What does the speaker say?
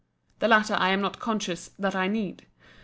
The latter I am not conscious that I need.